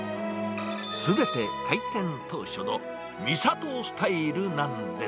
すべて開店当初の三郷スタイルなんです。